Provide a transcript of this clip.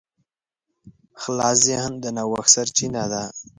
خلاص ذهن د نوښت سرچینه ده.